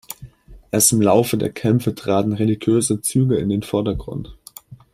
Erst im Laufe der Kämpfe traten religiöse Züge in den Vordergrund.